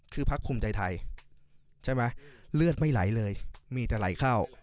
คือพักภูมิใจไทยใช่ไหมเลือดไม่ไหลเลยมีแต่ไหลเข้า